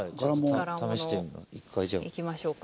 柄物いきましょうか。